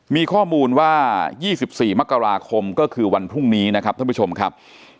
มีข้อมูลว่า๒๔มกราคมก็คือวันพรุ่งนี้นะครับท่านผู้ชมครับ